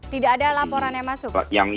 tidak ada laporan yang masuk pak